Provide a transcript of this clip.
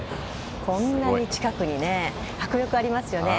こんなに近くに迫力ありますよね。